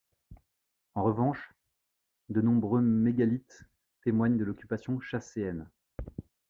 En revanche, de nombreux mégalithes témoignent de l'occupation chasséenne.